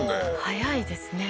早いですね。